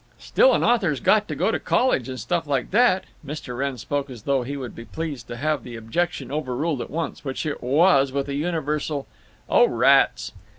"Still, an author's got to go to college and stuff like that." Mr. Wrenn spoke as though he would be pleased to have the objection overruled at once, which it was with a universal: "Oh, rats!"